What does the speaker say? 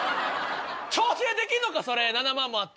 調整できんのか７万もあって。